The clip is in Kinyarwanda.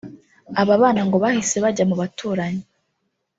Aba bana ngo bahise bajya mu baturanyi